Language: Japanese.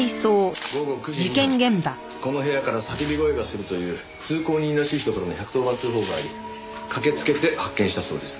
午後９時２分この部屋から叫び声がするという通行人らしい人からの１１０番通報があり駆けつけて発見したそうです。